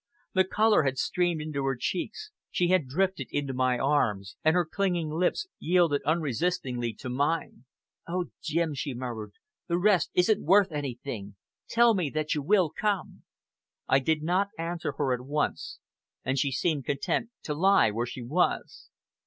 The color had streamed into her cheeks, she had drifted into my arms, and her clinging lips yielded unresistingly to mine. "Oh! Jim," she murmured, "the rest isn't worth anything. Tell me that you will come." I did not answer her at once, and she seemed content to lie where she was.